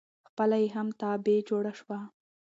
خپله یې هم تبعه جوړه شوه.